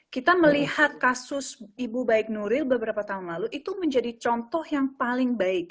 kita melihat kasus ibu baik nuril beberapa tahun lalu itu menjadi contoh yang paling baik